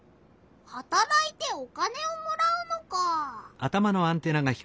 はたらいてお金をもらうのか。